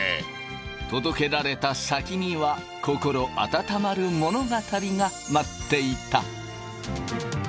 届けられた先には心温まる物語が待っていた！